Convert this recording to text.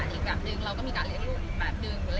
ไม่ใช่นี่คือบ้านของคนที่เคยดื่มอยู่หรือเปล่า